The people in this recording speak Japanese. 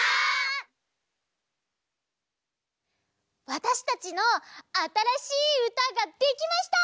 わたしたちのあたらしいうたができました！